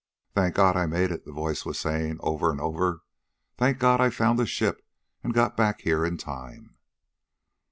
"Thank God, I made it," the voice was saying, over and over. "Thank God, I found the ship and got back here in time!"